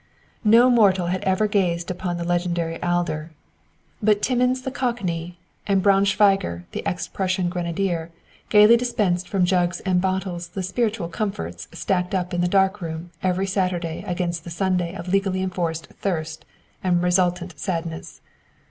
No mortal had ever gazed upon the legendary Adler, but Timmins the cockney, and Braunschweiger the ex Prussian grenadier, gaily dispensed from jugs and bottles the "spiritual comforts" stacked up in the "dark room" every Saturday against the Sunday of legally enforced thirst and resultant sadness.